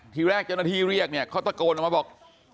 ทีแรกเจ้าหน้าที่เรียกเนี่ยเขาตะโกนออกมาบอก